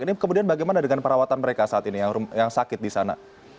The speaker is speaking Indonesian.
ini kemudian bagaimana dengan perawatan mereka saat ini yang sakit di sana